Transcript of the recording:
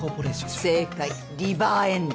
正解リバーエンド。